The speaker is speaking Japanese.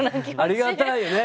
ありがたいよね。